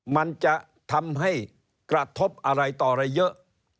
มันจะทำให้กระทบอะไรต่ออะไรเยอะ